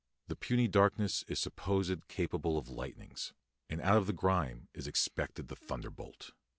The puny darkness is supposed capable of lightnings, and out of the grime is expected the thunderbolt.